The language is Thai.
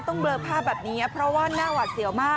เบลอภาพแบบนี้เพราะว่าหน้าหวัดเสียวมาก